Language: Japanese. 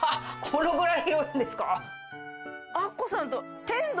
このぐらい広いんですか？